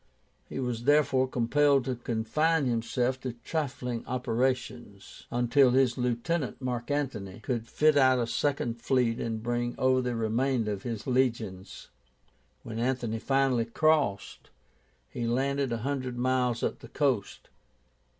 He was therefore compelled to confine himself to trifling operations, until his lieutenant, Mark Antony, could fit out a second fleet and bring over the remainder of his legions. When Antony finally crossed, he landed one hundred miles up the coast.